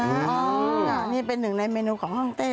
อก็อันนี้เป็นหนึ่งในเมนูของห้องเต้เลยนะ